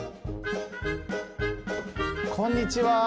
こんにちは。